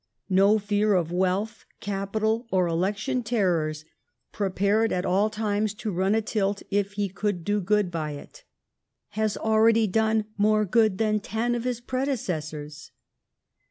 No fear of wealth, capital, or elec tion terrors ; prepared at all times to run a tilt if he oould do good by it. Has already done more good than ten of his predecessors."